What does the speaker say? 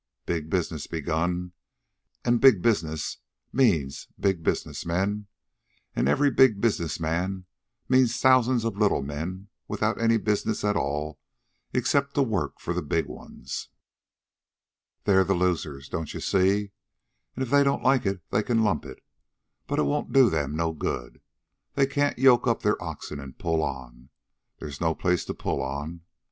Big business begun; an' big business means big business men; an' every big business man means thousands of little men without any business at all except to work for the big ones. They're the losers, don't you see? An' if they don't like it they can lump it, but it won't do them no good. They can't yoke up their oxen an' pull on. There's no place to pull on.